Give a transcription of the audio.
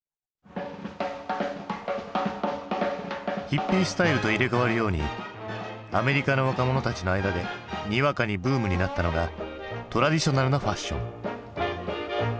ヒッピー・スタイルと入れ代わるようにアメリカの若者たちの間でにわかにブームになったのがトラディショナルなファッション。